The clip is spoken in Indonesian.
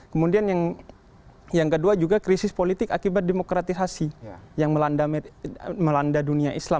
kemudian yang kedua juga krisis politik akibat demokratisasi yang melanda dunia islam